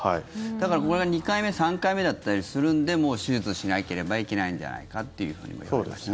だから２回目、３回目だったりするんでもう手術しなければいけないんじゃないかって言われました。